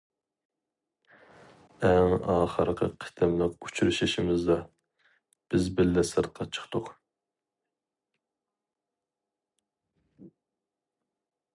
ئەڭ ئاخىرقى قېتىملىق ئۇچرىشىشىمىزدا بىز بىللە سىرتقا چىقتۇق.